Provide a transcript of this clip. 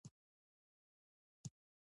ښوونکی وایي، ولې دې په اکدي ژبه خبرې کړې؟